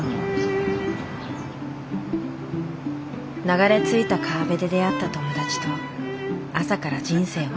流れ着いた川辺で出会った友達と朝から人生を語る。